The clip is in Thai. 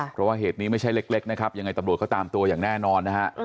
เพราะว่าเหตุนี้ไม่ใช่เล็กนะครับยังไงตำรวจเขาตามตัวอย่างแน่นอนนะฮะ